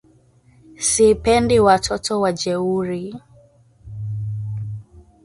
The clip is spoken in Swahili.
Sipendi watoto wajeuri